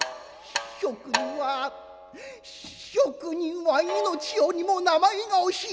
職人は職人は命よりも名前が惜しい。